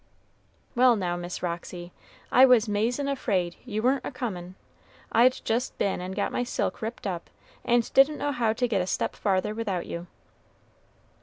"Well, now, Miss Roxy, I was 'mazin' afraid you wer'n't a comin'. I'd just been an' got my silk ripped up, and didn't know how to get a step farther without you."